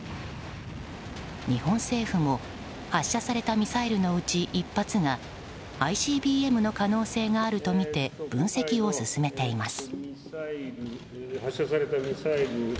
日本政府も発射されたミサイルのうち１発がＩＣＢＭの可能性があるとみて分析を進めています。